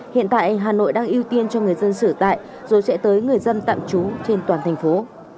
hiện tại hà nội đang ưu tiên cho người dân sở tại rồi sẽ tới người dân tạm trú trên toàn thành phố